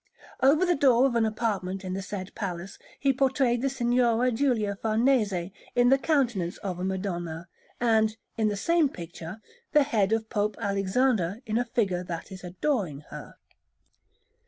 Over the door of an apartment in the said palace he portrayed the Signora Giulia Farnese in the countenance of a Madonna, and, in the same picture, the head of Pope Alexander in a figure that is adoring her.